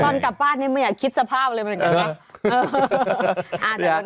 ตอนกลับบ้านนี่ไม่อยากคิดสภาพเลยเหมือนกันนะ